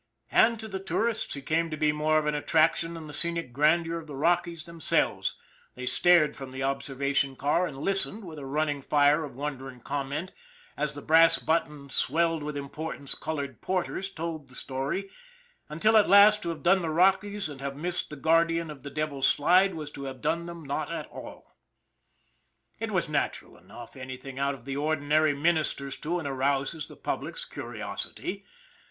And to the tourists he came to be more of an attraction than the scenic grandeur of the Rockies themselves ; they stared from the observation car and listened, with a running fire of wondering comment, as the brass buttoned, swelled with importance, colored porters told the story, until at last to have done the Rockies and have missed the Guardian of the Devil's Slide was to have done them not at all. It was natural enough, anything out of the ordinary ministers to and arouses the public's curiosity.